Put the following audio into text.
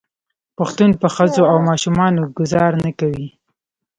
پښتون په ښځو او ماشومانو ګذار نه کوي.